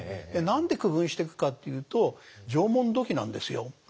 何で区分していくかっていうと縄文土器なんですよ。